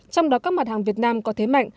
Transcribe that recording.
trong đó các mặt hàng việt nam có thế mạnh